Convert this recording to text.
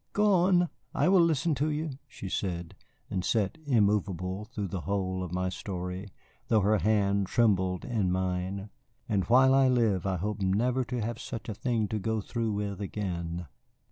"Go on, I will listen to you," she said, and sat immovable through the whole of my story, though her hand trembled in mine. And while I live I hope never to have such a thing to go through with again.